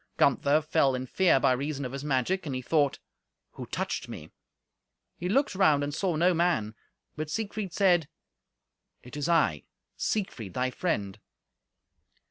Gunther fell in fear by reason of his magic, and he thought, "Who touched me?" He looked round and saw no man. But Siegfried said, "It is I, Siegfried, thy friend.